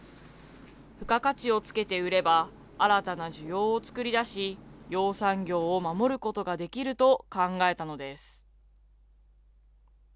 付加価値をつけて売れば、新たな需要を作りだし、養蚕業を守ることができると考えたのです。